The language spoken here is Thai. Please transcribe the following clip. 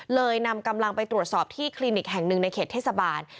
นำกำลังไปตรวจสอบที่คลินิกแห่งหนึ่งในเขตเทศบาล